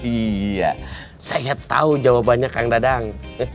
iya saya tahu jawabannya kang dadang